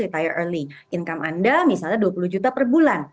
retire early income anda misalnya dua puluh juta per bulan